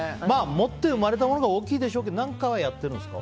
持って生まれたものが大きいでしょうけど何かはやってるんですか？